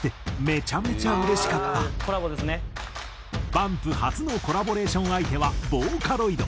ＢＵＭＰ初のコラボレーション相手はボーカロイド！